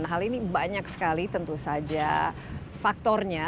nah hal ini banyak sekali tentu saja faktornya